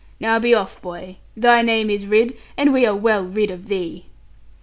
Now be off boy; thy name is Ridd, and we are well rid of thee.'